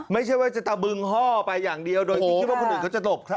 ไม่ใช่ว่าจะตะบึงห้อไปอย่างเดียวโดยที่คิดว่าคนอื่นเขาจะตบ